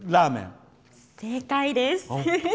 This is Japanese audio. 正解です！